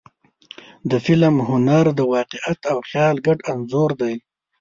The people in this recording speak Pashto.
د فلم هنر د واقعیت او خیال ګډ انځور دی.